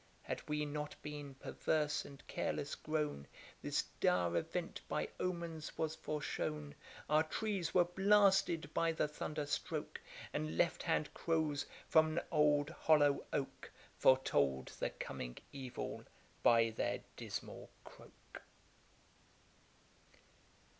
Had we not been perverse and careless grown, This dire event by omens was foreshown; Our trees were blasted by the thunder stroke, ) And left hand crows, from an old hollow oak, ) Foretold the coming evil by their dismal croak.